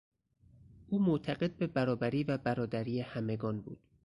او معتقد به برابری و برادری همگان بود.